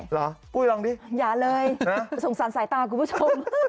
เหรอปุ้ยลองดิอย่าเลยสงสารสายตาคุณผู้ชม